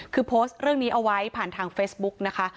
คือโพสต์เรื่องนี้เอาไว้ผ่านทางเฟซบุ๊กนะคะ